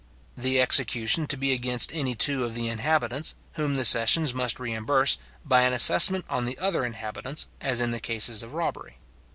The execution to be against any two of the inhabitants, whom the sessions must reimburse, by an assessment on the other inhabitants, as in the cases of robbery.